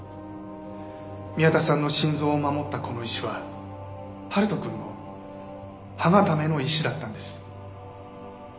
宮田さんの心臓を守ったこの石は春人くんの歯固めの石だったんです。